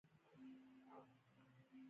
مقاله تر مونوګراف په کمیت کښي کوچنۍ ده.